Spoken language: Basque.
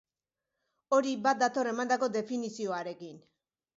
Hori bat dator emandako definizioarekin.